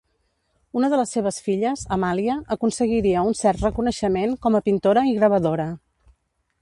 Una de les seves filles, Amàlia, aconseguiria un cert reconeixement com a pintora i gravadora.